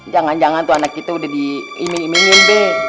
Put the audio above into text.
jangan jangan tuh anak itu udah di ime ime ngembeng